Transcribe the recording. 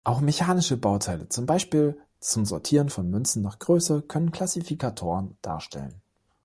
Auch mechanische Bauteile, zum Beispiel zum Sortieren von Münzen nach Größe, können Klassifikatoren darstellen.